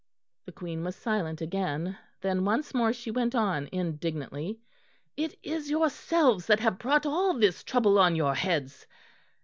The Queen was silent again. Then once more she went on indignantly: "It is yourselves that have brought all this trouble on your heads.